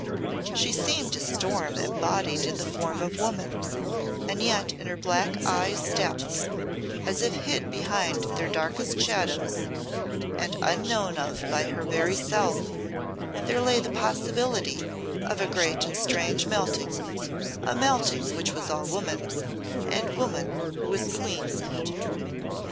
She seemed a storm embodied in the form of woman, and yet in her black eyes' depths as if hid behind their darkest shadows and unknown of by her very self there lay the possibility of a great and strange melting a melting which was all woman and woman who was queen.